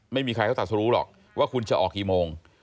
ไม่มีใครเขาตัดสรุหรอกว่าคุณจะออกกี่โมง